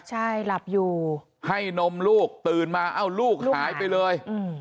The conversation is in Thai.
ใช่หลับอยู่ให้นมลูกตื่นมาเอ้าลูกหายไปเลย